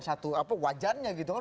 satu apa wajannya gitu kan